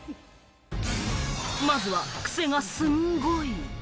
まずはクセがすごい。